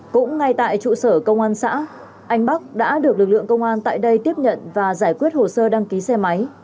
cũng ngay tại trụ sở công an xã anh bắc đã được lực lượng công an tại đây tiếp nhận và giải quyết hồ sơ đăng ký xe máy